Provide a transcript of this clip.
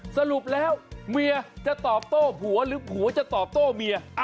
สรุปแล้วเมียจะตอบโต้ผัวหรือผัวจะตอบโต้เมีย